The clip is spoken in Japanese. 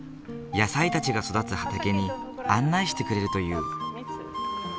野菜たちが育つ畑に案内してくれるという。